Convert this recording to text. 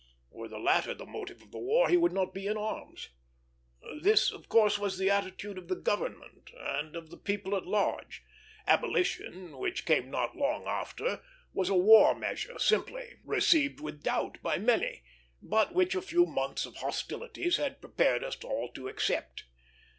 Were the latter the motive of the war, he would not be in arms. This, of course, was then the attitude of the government and of the people at large. Abolition, which came not long after, was a war measure simply; received with doubt by many, but which a few months of hostilities had prepared us all to accept.